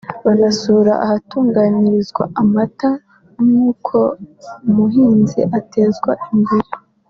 banasura ahatunganyirizwa amata n’uko umuhinzi atezwa imbere